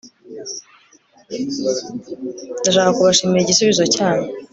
Ndashaka kubashimira igisubizo cyanyu